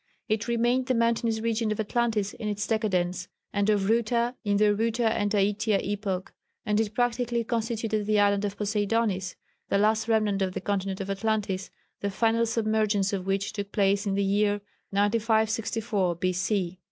It remained the mountainous region of Atlantis in its decadence, and of Ruta in the Ruta and Daitya epoch, and it practically constituted the island of Poseidonis the last remnant of the continent of Atlantis the final submergence of which took place in the year 9564 B.C.